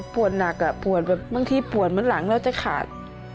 ปวดหลังหรือมันจะขาด